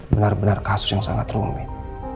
benar benar kasus yang sangat rumit